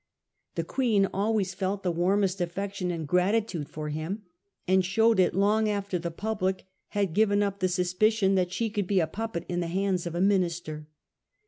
The Queen always felt the warmest affection and gratitude for him, and showed it long after the public had given up the suspi cion that she could be a puppet in the hands of a minister.